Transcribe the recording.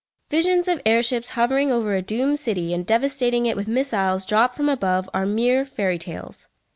Visions of air ships hovering over a doomed city and devastating it with missiles dropped from above are mere fairy tales.